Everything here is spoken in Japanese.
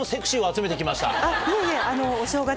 いえいえ。